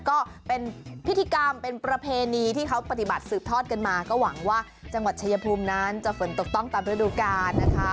ก็เป็นพิธีกรรมเป็นประเพณีที่เขาปฏิบัติสืบทอดกันมาก็หวังว่าจังหวัดชายภูมินั้นจะฝนตกต้องตามฤดูกาลนะคะ